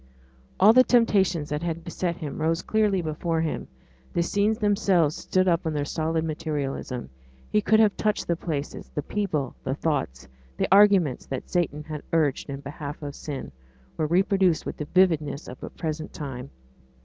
All the temptations that had beset him rose clearly before him; the scenes themselves stood up in their solid materialism he could have touched the places; the people, the thoughts, the arguments that Satan had urged in behalf of sin, were reproduced with the vividness of a present time.